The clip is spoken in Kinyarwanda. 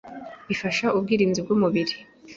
bifasha ubwirinzi bw’umubiri